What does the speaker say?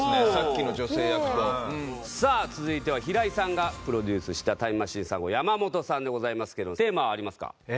さあ続いては平井さんがプロデュースしたタイムマシーン３号山本さんでございますけどもテーマはありますか？